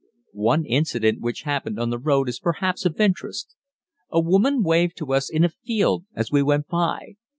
One incident which happened on the road is perhaps of interest. A woman waved to us in a field as we went by.